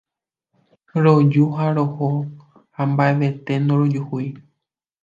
Roju ha roho ha mba'evete ndorojuhúi.